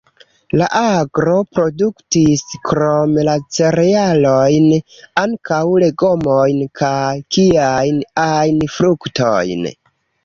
La agro produktis, krom la cerealojn, ankaŭ legomojn kaj kiajn ajn fruktojn.